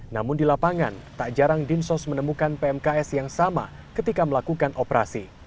namun di lapangan tak jarang dinsos menemukan pmks yang sama ketika melakukan operasi